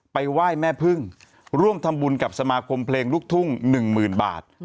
ไหว้แม่พึ่งร่วมทำบุญกับสมาคมเพลงลูกทุ่ง๑๐๐๐บาท